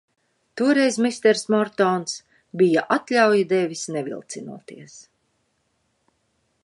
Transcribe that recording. Toreiz misters Mortons bija atļauju devis nevilcinoties.